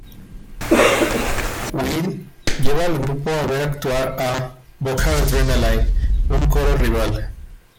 Will lleva al grupo a ver actuar a "Vocal Adrenaline", un coro rival.